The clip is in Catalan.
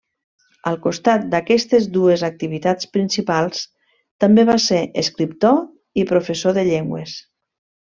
Al costat d’aquestes dues activitats principals, també va ser escriptor i professor de llengües.